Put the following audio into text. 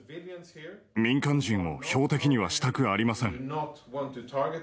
民間人を標的にはしたくありません。